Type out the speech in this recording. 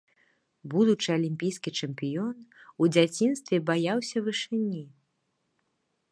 Будучы алімпійскі чэмпіён у дзяцінстве баяўся вышыні.